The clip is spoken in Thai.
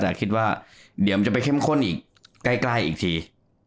แต่คิดว่าเดี๋ยวมันจะไปเข้มข้นอีกใกล้อีกที